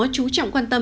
chú trọng quan tâm